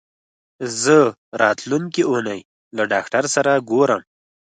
زه راتلونکې اونۍ له ډاکټر سره ګورم.